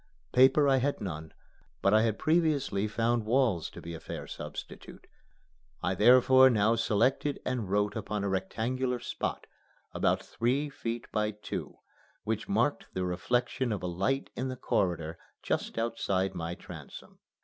Paper I had none; but I had previously found walls to be a fair substitute. I therefore now selected and wrote upon a rectangular spot about three feet by two which marked the reflection of a light in the corridor just outside my transom.